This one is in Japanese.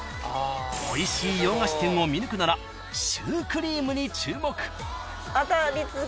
［おいしい洋菓子店を見抜くならシュークリームに注目］